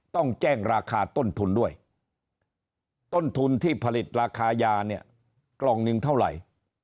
ต้องแจ้งราคาต้นทุนด้วยต้นทุนที่ผลิตราคายาเนี่ยกล่องหนึ่งเท่าไหร่